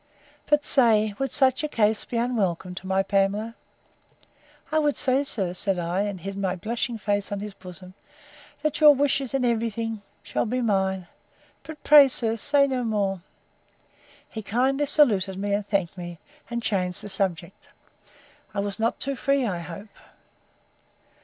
—But say, Would such a case be unwelcome to my Pamela?—I will say, sir, said I, and hid my blushing face on his bosom, that your wishes, in every thing, shall be mine; but, pray, sir, say no more. He kindly saluted me, and thanked me, and changed the subject.—I was not too free, I hope.